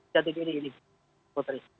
jadi begini ini putri